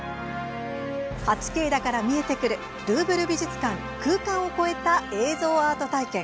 「８Ｋだから見えてくるルーブル美術館空間を超えた映像アート体験」。